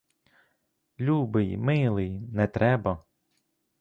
Любий, милий, не треба!